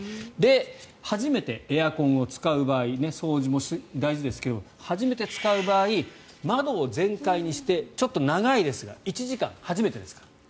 初めてエアコンを使う場合掃除も大事ですけど初めて使う場合窓を全開にしてちょっと長いですが１時間、初めてですから。